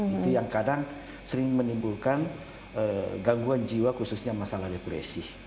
itu yang kadang sering menimbulkan gangguan jiwa khususnya masalah depresi